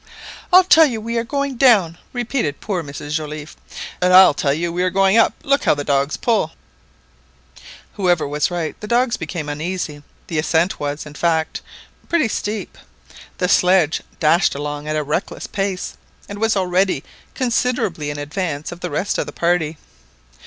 "I tell you we are going down!" repeated poor Mrs Joliffe. "And I tell you we are going up; look how the dogs pull !" Whoever was right, the dogs became uneasy. The ascent was, in fact, pretty steep; the sledge dashed along at a reckless pace, and was already considerably in advance of the rest of the party.